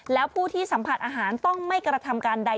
แล้วผู้ที่สัมผัสอาหารต้องไม่กระทำการใด